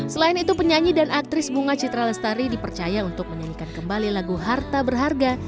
selain itu penyanyi dan aktris bunga citra lestari dipercaya untuk menyanyikan kembali lagu harta berharga